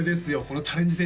このチャレンジ